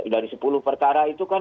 dari sepuluh perkara itu kan